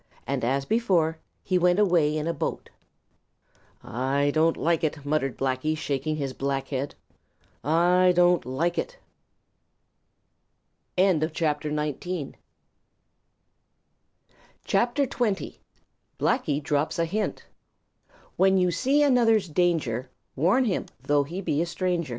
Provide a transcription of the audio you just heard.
And as before, he went away in a boat. "I don't like it," muttered Blacky, shaking his black head. "I don't like it." CHAPTER XX: Blacky Drops A Hint When you see another's danger Warn him though he be a stranger.